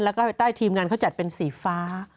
แล้วก็ภายใต้ทีมงานเขาจัดเป็นสีฟ้า